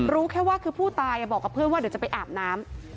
รู้แค่ว่าคือผู้ตายบอกกับเพื่อนว่าเดี๋ยวจะไปอาบน้ำ